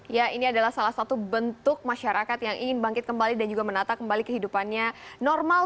ya ini adalah salah satu bentuk masyarakat yang ingin bangkit kembali dan juga menata kembali kehidupannya normal